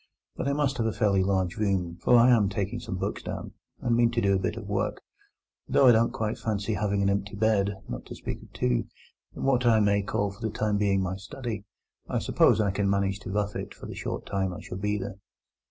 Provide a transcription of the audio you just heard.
But I must have a fairly large room, for I am taking some books down, and mean to do a bit of work; and though I don't quite fancy having an empty bed—not to speak of two—in what I may call for the time being my study, I suppose I can manage to rough it for the short time I shall be there."